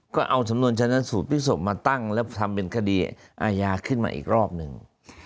ก็เอาสำนวนชนะสูตรพลิกศพมาตั้งแล้วทำเป็นคดีอาญาขึ้นมาอีกรอบหนึ่ง